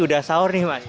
udah sahur nih mas